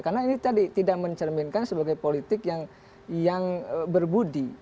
karena ini tadi tidak mencerminkan sebagai politik yang berbudi